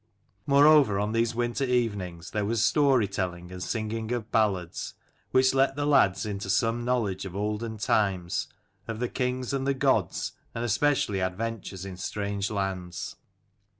Moreover on these winter evenings there was story telling and singing of ballads, which let the lads into some knowledge of olden times, of the kings and the gods, and especially adven tures in strange lands.